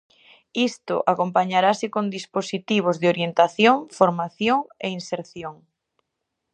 Isto acompañarase con dispositivos de orientación, formación e inserción.